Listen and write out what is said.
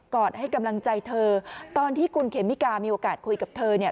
อดให้กำลังใจเธอตอนที่คุณเขมิกามีโอกาสคุยกับเธอเนี่ย